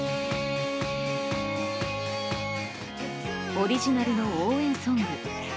オリジナルの応援ソング。